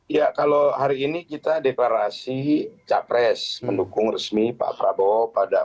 ya kalau hari ini kita deklarasi capres mendukung resmi pak prabowo pada